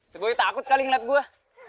seboy takut kali ngeliat gua